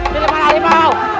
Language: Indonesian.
pilih mana harimau